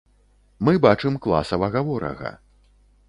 Мы бачым класавага ворага.